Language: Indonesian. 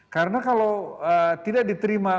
karena kalau tidak diterima